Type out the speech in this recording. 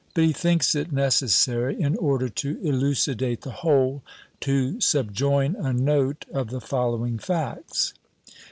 But he thinks it necessary, in order to elucidate the whole, to subjoin a note of the following facts.